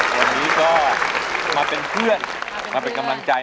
วันนี้ก็มาเป็นเพื่อนมาเป็นกำลังใจ